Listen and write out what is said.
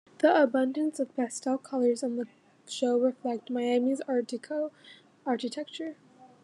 The abundance of pastel colors on the show reflected Miami's Art-deco architecture.